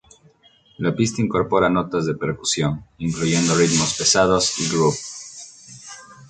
La pista incorpora notas de percusión, incluyendo ritmos pesados y "groove".